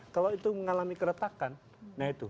kalau itu mengalami keretakan nah itu